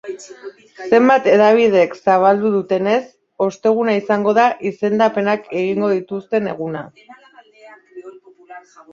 Zenbait hedabidek zabaldu dutenez, osteguna izango da izendapenak egingo dituzten eguna.